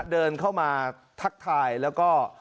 เดินเข้ามาทักทายแล้วก็